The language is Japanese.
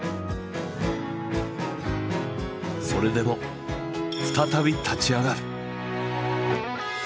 それでも再び立ち上がる。